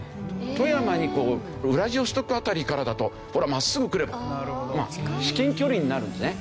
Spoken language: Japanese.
富山にこうウラジオストク辺りからだとほら真っすぐ来れば至近距離になるんですね。